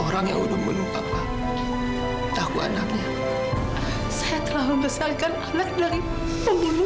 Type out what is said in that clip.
sampai jumpa di video selanjutnya